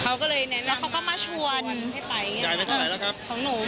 เขาก็เลยเน้นแล้วเขาก็มาชวนให้ไปจ่ายไปเท่าไหร่แล้วครับของหนู